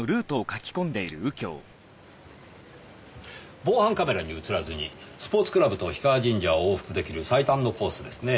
防犯カメラに映らずにスポーツクラブと氷川神社を往復出来る最短のコースですねぇ。